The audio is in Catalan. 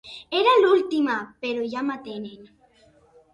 Era l'última, però ja m'atenen.